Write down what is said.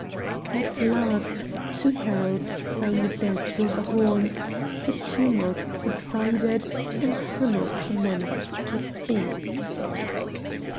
At last two heralds sounded their silver horns; the tumult subsided, and Hanno commenced to speak.